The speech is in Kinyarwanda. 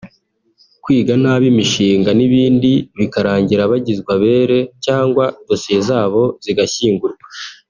kwiga nabi imishinga n’ibindi bikarangira bagizwe abere cyangwa dosiye zabo zigashyingurwa